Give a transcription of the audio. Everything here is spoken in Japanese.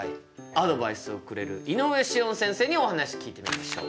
アドバイスをくれる井上志音先生にお話聞いてみましょう。